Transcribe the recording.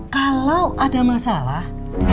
kalau ada masalah